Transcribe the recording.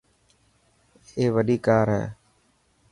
اي وڏي ڪار هي.